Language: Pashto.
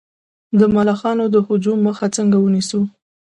د ملخانو د هجوم مخه څنګه ونیسم؟